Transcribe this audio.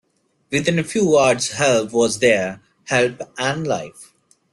Within a few yards help was there — help and life.